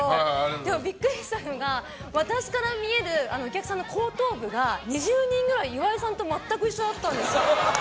でもビックリしたのが私から見えるお客さんの後頭部が２０人くらい岩井さんと全く一緒だったんですよ。